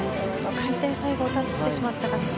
回転最後、立ってしまったか。